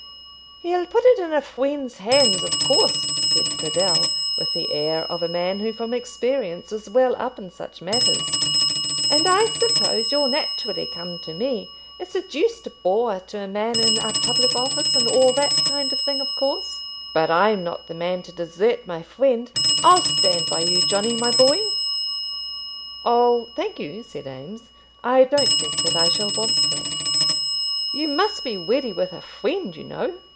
"He'll put it in a friend's hands, of course," said Cradell, with the air of a man who from experience was well up in such matters. "And I suppose you'll naturally come to me. It's a deuced bore to a man in a public office, and all that kind of thing, of course. But I'm not the man to desert my friend. I'll stand by you, Johnny, my boy." "Oh, thank you," said Eames, "I don't think that I shall want that." "You must be ready with a friend, you know."